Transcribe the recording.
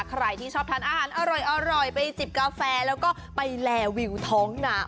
ใครที่ชอบทานอาหารอร่อยไปจิบกาแฟแล้วก็ไปแลวิวท้องหนา